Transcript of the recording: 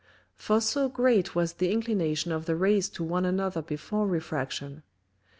For so great was the inclination of the Rays to one another before Refraction.